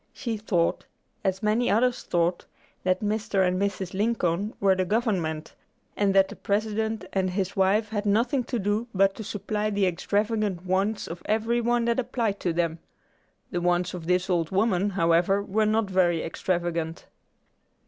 She thought, as many others thought, that Mr. and Mrs. Lincoln were the government, and that the President and his wife had nothing to do but to supply the extravagant wants of every one that applied to them. The wants of this old woman, however, were not very extravagant.